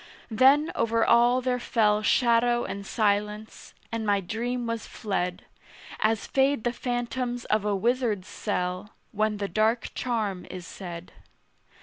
Then over all there fell Shadow and silence; and my dream was fled, As fade the phantoms of a wizard's cell When the dark charm is said.